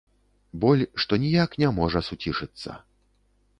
Боль, што ніяк не можа суцішыцца.